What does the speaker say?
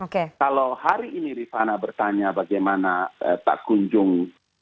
kalau hari ini rifana bertanya bagaimana tak kunjung